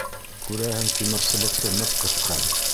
Күрәһең, тимерсыбыҡты ныҡ ҡыҫҡан.